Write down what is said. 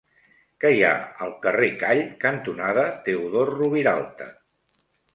Què hi ha al carrer Call cantonada Teodor Roviralta?